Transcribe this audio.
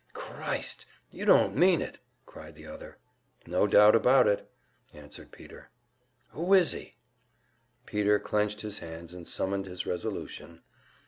"Christ! You don't mean it!" cried the other. "No doubt about it," answered Peter. "Who is he?" Peter clenched his hands and summoned his resolution.